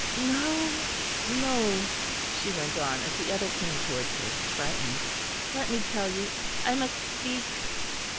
No, no," she went on, as the other came towards her, frightened, "let me tell you. I must speak."